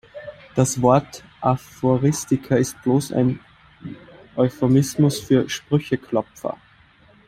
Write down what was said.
Das Wort Aphoristiker ist bloß ein Euphemismus für Sprücheklopfer.